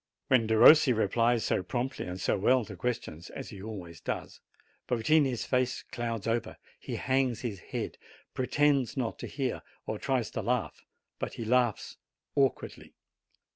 When Derossi replies so promptly and so well to questions, as he alway ' "otini's fac'. r, he hangs his head, preter. not to hear, or tr: laugh, but he laughs awkwardly